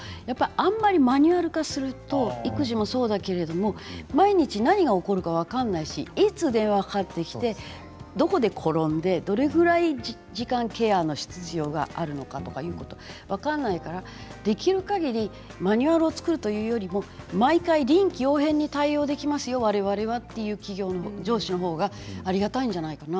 あまりマニュアル化すると育児もそうだけれど毎日何が起こるか分からないしいつ電話がかかってきてどこで転んでどれくらいの時間ケアの必要があるのかということが分からないからできるかぎりマニュアルを作るというよりも毎回、臨機応変に対応できるわれわれはという上司のほうがありがたいんじゃないかな